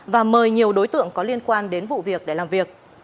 và mời nhiều đối tượng có liên quan đến vụ việc để làm việc